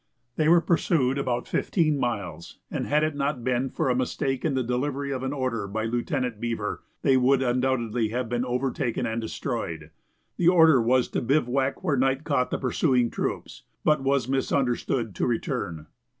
They were pursued about fifteen miles, and had it not been for a mistake in the delivery of an order by Lieutenant Beever, they would undoubtedly have been overtaken and destroyed. The order was to bivouac where night caught the pursuing troops, but was misunderstood to return.